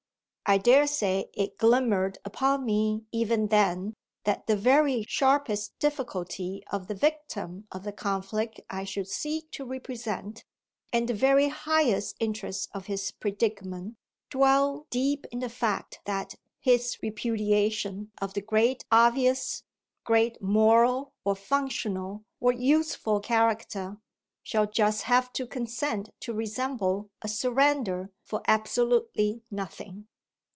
I daresay it glimmered upon me even then that the very sharpest difficulty of the victim of the conflict I should seek to represent, and the very highest interest of his predicament, dwell deep in the fact that his repudiation of the great obvious, great moral or functional or useful character, shall just have to consent to resemble a surrender for absolutely nothing.